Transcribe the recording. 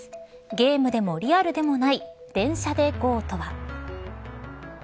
ゲームでもリアルでもない電車でＧＯとは。